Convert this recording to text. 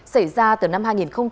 xảy ra từ năm hai nghìn một mươi bốn